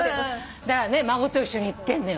だからね孫と一緒に行ってんのよ。